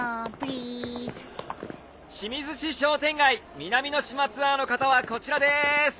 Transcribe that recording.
清水市商店街南の島ツアーの方はこちらです。